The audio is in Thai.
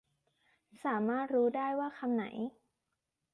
สามารถรู้ได้ว่าคำไหน